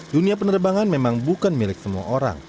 dunia penerbangan memang bukan milik semua orang